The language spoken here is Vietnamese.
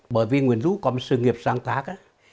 bởi vì nguyễn du có một sự nghiệp sáng tác